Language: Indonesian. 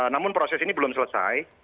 namun proses ini belum selesai